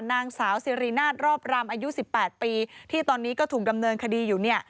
นางสาวสิรินาทรอบรำอายุ๑๘ปีที่ตอนนี้ก็ถูกดำเนินคดีอยู่เนี่ย